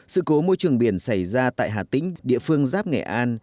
sự cố môi trường biển xảy ra tại hà tĩnh địa phương giáp nghệ an